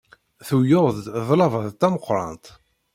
Tuwyed-d ḍḍlaba d tameqrant.